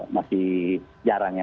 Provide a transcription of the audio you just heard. masih jarang ya